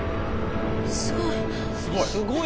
すごい。